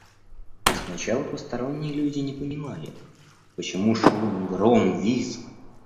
Сначала посторонние люди не понимали: почему шум, гром, визг?